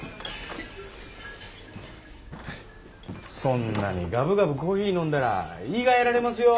そんなにガブガブコーヒー飲んだら胃がやられますよ。